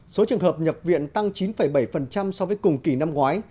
số trường hợp nhập viện tăng chín bảy so với cùng kỳ năm ngoái